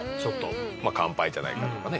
『乾杯』じゃないかとかね。